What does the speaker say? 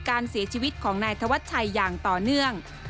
การเสียชีวิตของนายธวัชชัยอย่างต่อเนื่อง